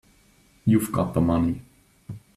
You've got the money.